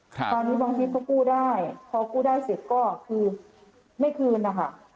ตอนนี้บางทิศก็กู้ได้พอกู้ได้เสร็จก็คือไม่คืนนะคะ